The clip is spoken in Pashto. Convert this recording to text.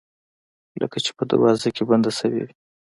لکه چې په دروازه کې بنده شوې وي